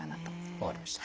分かりました。